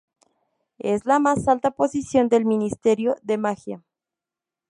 Es la más alta posición del Ministerio de Magia.